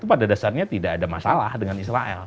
pada dasarnya tidak ada masalah dengan israel